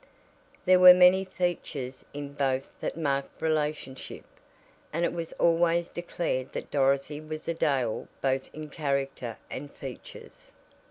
There were many features in both that marked relationship, and it was always declared that Dorothy was a Dale both in character and features.